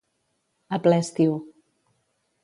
A ple estiu.